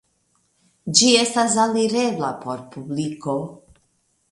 Ĝi estas alirebla por publiko.